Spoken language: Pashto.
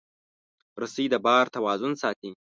رسۍ د بار توازن ساتي.